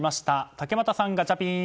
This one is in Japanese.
竹俣さん、ガチャピン！